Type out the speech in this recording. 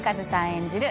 演じる